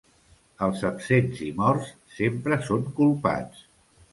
Els absents i morts sempre són culpats.